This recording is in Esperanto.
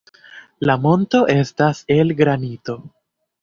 La monto estas el granito.